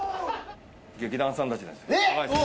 劇団さんたちです。